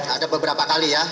ada beberapa kali ya